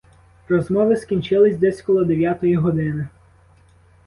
Розмови скінчились десь коло дев'ятої години.